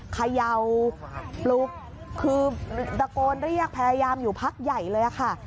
เขย่าปลุกคือตะโกนเรียกพยายามอยู่พักใหญ่เลยค่ะ